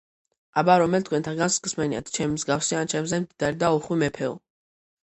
აბა რომელ თქვენთაგანს გსმენიათ, ჩემი მსგავსი ან ჩემზე მდიდარი და უხვი მეფეო.